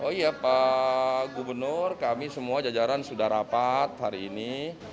oh iya pak gubernur kami semua jajaran sudah rapat hari ini